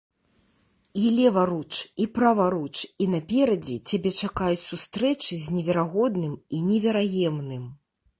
І леваруч, і праваруч, і наперадзе цябе чакаюць сустрэчы з неверагодным і невераемным.